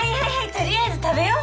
とりあえず食べよう。